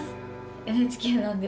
ＮＨＫなんで。